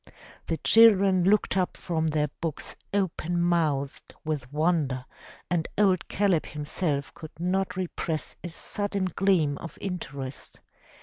The children looked up from their books open mouthed with wonder and old Caleb himself could not repress a sudden gleam of interest.